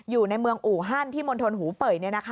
อยู่ในเมืองอู่ฮั่นที่มณฑลหูเป่ย